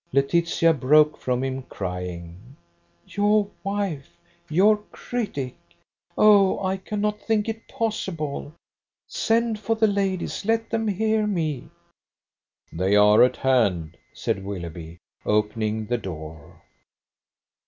Laetitia broke from him, crying: "Your wife, your critic! Oh, I cannot think it possible. Send for the ladies. Let them hear me." "They are at hand," said Willoughby, opening the door.